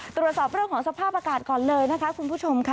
ตรวจสอบเรื่องของสภาพอากาศก่อนเลยนะคะคุณผู้ชมค่ะ